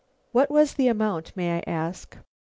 "What was the amount, may I ask?"